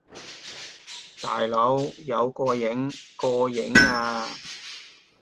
大佬，有個影！個影呀！